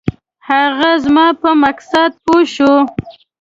هغه زما په مقصد پوی شو.